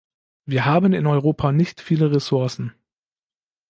Wir haben in Europa nicht viele Ressourcen.